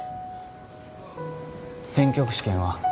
転局試験は？